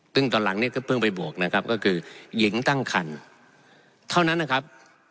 ซึ่งตอนหลังเนี่ยก็เพิ่งไปบวกนะครับก็คือหญิงตั้งคันเท่านั้นนะครับ